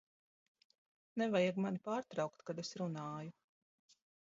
Nevajag mani pārtraukt, kad es runāju!